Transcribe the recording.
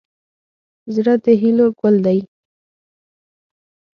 زړه د هیلو ګل دی.